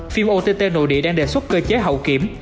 phim ott nội địa đang đề xuất cơ chế hậu kiểm